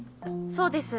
そうです。